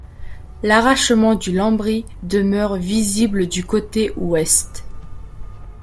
L'arrachement du lambris demeure visible du côté ouest.